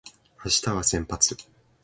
明日は先発